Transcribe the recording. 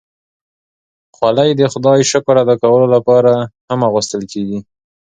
خولۍ د خدای شکر ادا کولو لپاره هم اغوستل کېږي.